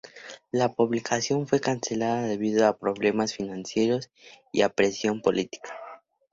La publicación fue cancelada debido a problemas financieros y a presión política.